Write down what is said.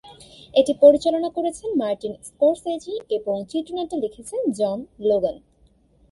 এটি পরিচালনা করেছেন মার্টিন স্কোরসেজি এবং চিত্রনাট্য লিখেছেন জন লোগান।